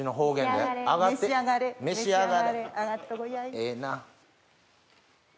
ええな。